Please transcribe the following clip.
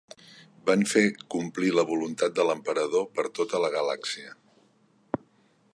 Van fer complir la voluntat de l'Emperador per tota la galàxia.